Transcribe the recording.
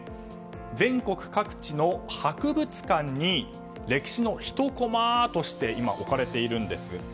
全国各地の博物館に歴史のひとコマとして今、置かれているんです。